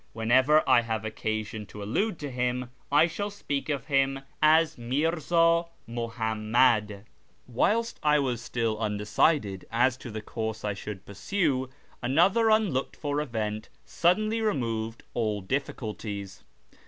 Whenever I have occasion to allude to him, I shall speak of him as Mirza Muhammad. Whilst I was still undecided as to the course I should pursue, another unlooked for event suddenly removed all diffi culties.